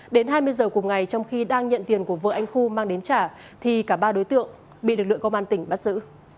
đến hai mươi giờ cùng ngày trong khi đang nhận tiền của vợ anh khu mang đến trả thì cả ba đối tượng bị lực lượng công an tỉnh bắt giữ